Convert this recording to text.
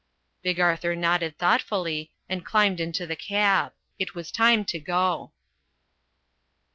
Big Arthur nodded thoughtfully, and climbed into the cab. It was time to go.